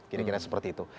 kira kira seperti itu